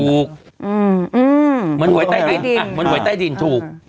เหมือนหวยใต้ดินถูก